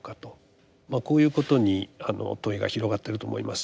まあこういうことに問いが広がってると思います。